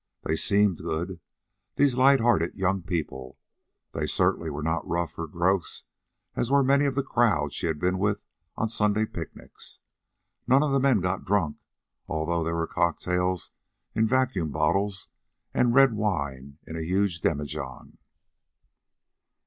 They SEEMED good, these light hearted young people; they certainly were not rough or gross as were many of the crowds she had been with on Sunday picnics. None of the men got drunk, although there were cocktails in vacuum bottles and red wine in a huge demijohn.